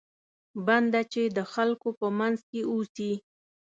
بنده چې د خلکو په منځ کې اوسي.